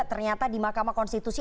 ternyata di mahkamah konstitusi